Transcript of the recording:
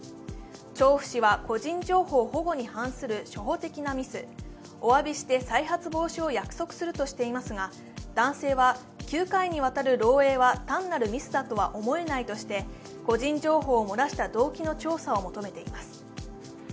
調布市は個人情報保護に反する初歩的なミス、おわびして再発防止を約束するとしていますが男性は９回にわたる漏えいは単なるミスだとは思えないとして個人情報を漏らした動機の調査を求めています。